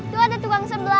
tuh ada tukang sebelak